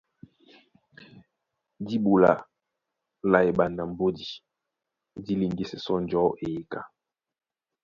Dîn ɓola lá eɓanda mbódi dí liŋgísɛ sɔ́ njɔ̌ eyeka.